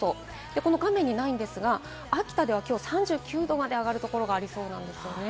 画面にないんですが、秋田ではきょう３９度まで上がるところがありそうです。